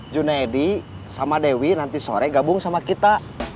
junaidi sama dewi nanti sore gabung sama kita